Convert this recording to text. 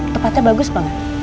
tempatnya bagus banget